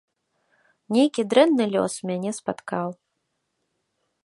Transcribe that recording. Нейкі дрэнны лёс мяне спаткаў.